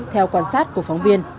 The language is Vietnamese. theo quan sát của phóng viên